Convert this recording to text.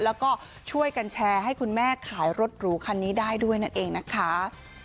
แล้วก็ช่วยกันแชร์ให้คุณแม่ขายรถหรูคันนี้ได้ด้วยนั่นเองนะคะ